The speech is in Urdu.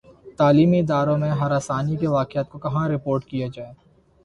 تعلیمی اداروں میں ہراسانی کے واقعات کو کہاں رپورٹ کیا جائے